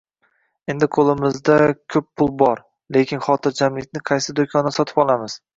Endi qo‘limizda ko‘p pul bor, lekin xotirjamlikni qaysi do‘kondan sotib olamiz?!.